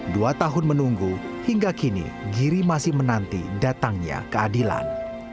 dua tahun menunggu hingga kini giri masih menanti datangnya keadilan